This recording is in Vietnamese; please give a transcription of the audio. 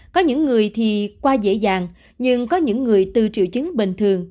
có những người thì qua dễ dàng nhưng có những người tư triệu chứng bình thường